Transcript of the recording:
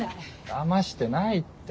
だましてないって。